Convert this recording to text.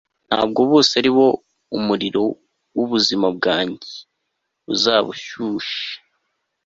ntabwo bose ari bo umuriro w'ubuzima bwanjye uzaba ushushe